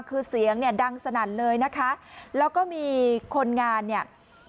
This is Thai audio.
คือเสียงเนี่ยดังสนั่นเลยนะคะแล้วก็มีคนงานเนี่ย